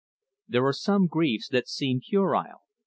There are some griefs that seem puerile.